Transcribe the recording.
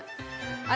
あれ？